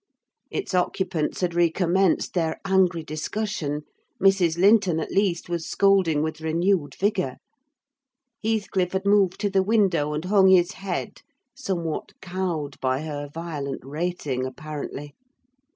Its occupants had recommenced their angry discussion: Mrs. Linton, at least, was scolding with renewed vigour; Heathcliff had moved to the window, and hung his head, somewhat cowed by her violent rating apparently.